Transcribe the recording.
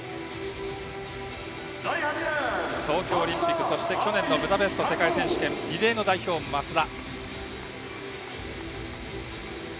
東京オリンピックとそして去年の世界選手権リレーの代表の増田。